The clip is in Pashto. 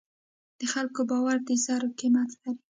د خلکو باور د زر قیمت لري.